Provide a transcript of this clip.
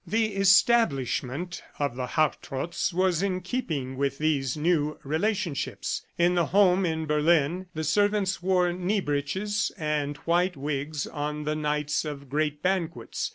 The establishment of the Hartrotts was in keeping with these new relationships. In the home in Berlin, the servants wore knee breeches and white wigs on the nights of great banquets.